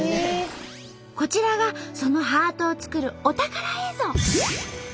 こちらがそのハートを作るお宝映像。